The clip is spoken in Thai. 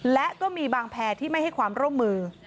และก็มีบางแพร่ที่ไม่ให้ความร่วมมือ